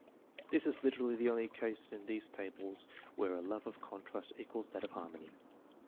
This is literally the only case in these tables where a love of contrast equals that of harmony.